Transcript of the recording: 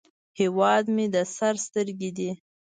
هیواد مې د سر سترګې دي